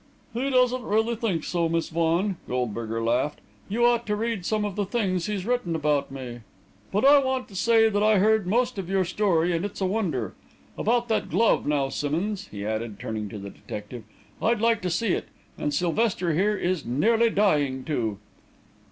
"He doesn't really think so, Miss Vaughan," Goldberger laughed. "You ought to read some of the things he's written about me! But I want to say that I heard most of your story, and it's a wonder. About that glove, now, Simmonds," he added, turning to the detective. "I'd like to see it and Sylvester here is nearly dying to."